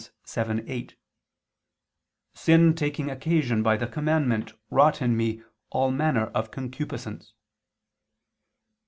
7:8: "Sin taking occasion by the commandment wrought in me all manner of concupiscence."